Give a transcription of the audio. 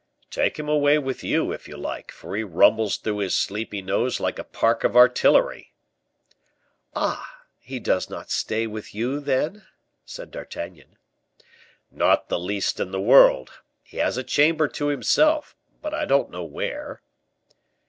"Take him away with you, if you like, for he rumbles through his sleepy nose like a park of artillery." "Ah! he does not stay with you, then?" said D'Artagnan. "Not the least in the world. He has a chamber to himself, but I don't know where."